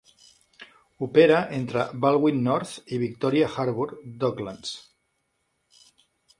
Opera entre Balwyn North i Victoria Harbour Docklands.